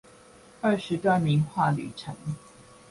二十段名畫旅程